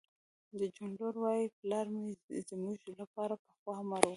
د جون لور وایی پلار مې زموږ لپاره پخوا مړ و